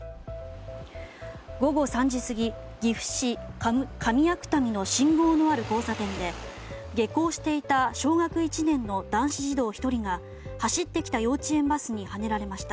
午後３時過ぎ、岐阜市上芥見の信号のある交差点で下校していた小学１年の男子児童１人が走ってきた幼稚園バスにはねられました。